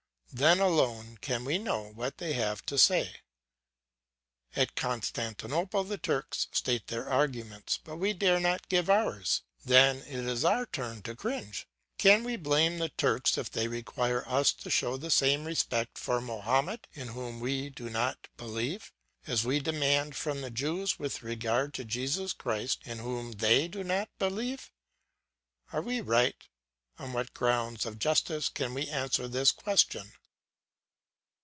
Then alone can we know what they have to say. "At Constantinople the Turks state their arguments, but we dare not give ours; then it is our turn to cringe. Can we blame the Turks if they require us to show the same respect for Mahomet, in whom we do not believe, as we demand from the Jews with regard to Jesus Christ in whom they do not believe? Are we right? On what grounds of justice can we answer this question?